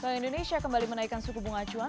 bank indonesia kembali menaikkan suku bunga acuan